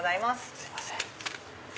すいません。